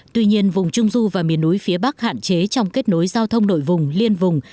tuy nhiên vùng trung du và miền núi phía bắc hạn chế trong kết nối giao thông nội vùng liên vùng